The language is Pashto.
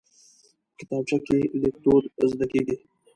کتابچه کې لیک دود زده کېږي